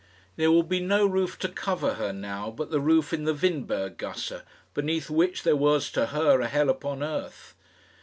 There would be no roof to cover her now but the roof in the Windberg gasse, beneath which there was to her a hell upon earth.